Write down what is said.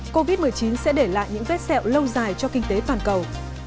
covid một mươi chín sẽ để lại những vết sẹo lâu dài cho kinh tế toàn cầu